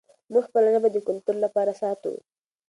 موږ خپله ژبه د کلتور لپاره ساتو.